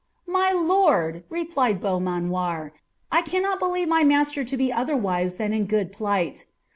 '' My lord," replied Benumanoir, " I cannot believe my nwater to bl otherwise than in good plight."